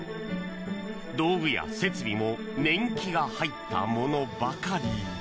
道具や設備も年季が入ったものばかり。